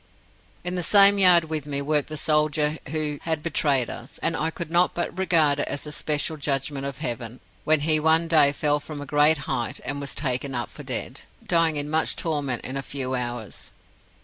"In the same yard with me worked the soldier who had betrayed us, and I could not but regard it as a special judgment of Heaven when he one day fell from a great height and was taken up for dead, dying in much torment in a few hours.